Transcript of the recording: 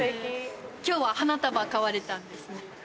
今日は花束買われたんですね。